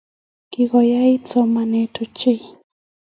Kokoyait somanet ochei